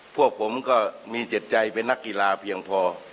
พวกผมก็มีจิตใจเป็นนักกีฬาเพียงพอ